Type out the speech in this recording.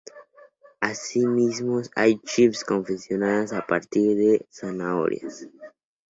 Asimismo hay "chips" confeccionadas a partir de zanahorias.